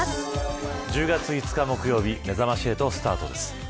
１０月５日木曜日めざまし８スタートです。